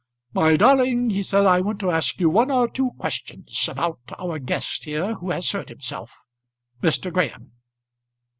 "My darling," he said, "I want to ask you one or two questions about our guest here who has hurt himself, Mr. Graham."